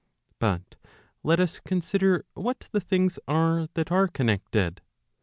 But let us consider what the things are that are connected.